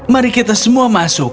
mari kita semua masuk